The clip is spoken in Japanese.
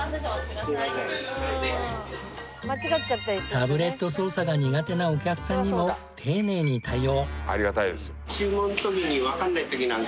タブレット操作が苦手なお客さんにも丁寧に対応。